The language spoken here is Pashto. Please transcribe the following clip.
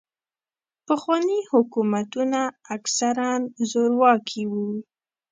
پخواني حکومتونه اکثراً زورواکي وو.